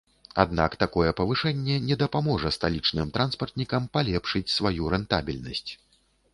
Аднак такое павышэнне не дапаможа сталічным транспартнікам палепшыць сваю рэнтабельнасць.